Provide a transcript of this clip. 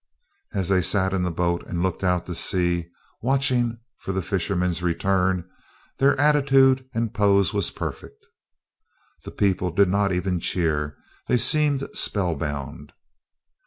As they sat in the boat and looked out to sea, "watching for the fisherman's return," their attitude and pose were perfect. The people did not even cheer. They seemed spellbound.